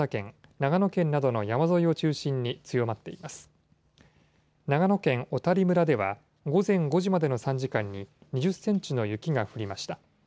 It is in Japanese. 長野県小谷村では、午前５時までの３時間に２０センチの雪が降りました。